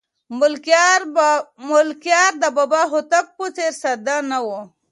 ملکیار د بابا هوتک په څېر ساده نه و.